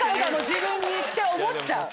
自分にって思っちゃう。